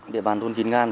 địa bàn thôn vĩnh ngan